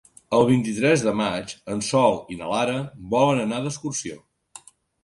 El vint-i-tres de maig en Sol i na Lara volen anar d'excursió.